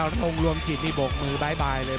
องค์รวมจิตนี่โบกมือบ๊ายบายเลย